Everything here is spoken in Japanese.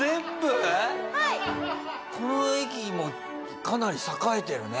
この駅もかなり栄えてるね。